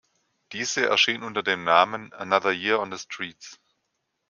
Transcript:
Diese erschien unter dem Namen "Another Year on the Streets".